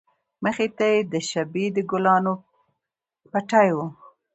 مخې ته يې د شبۍ د گلانو پټى و.